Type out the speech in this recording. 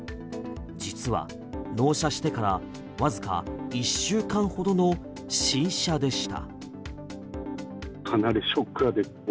実は、納車してからわずか１週間ほどの新車でした。